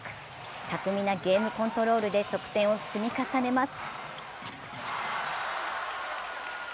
巧みなゲームコントロールで得点を積み重ねます。